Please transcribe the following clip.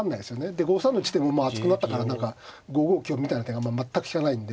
で５三の地点も厚くなったから何か５五香みたいな手が全く利かないんで。